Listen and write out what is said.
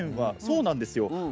そうなんですよ。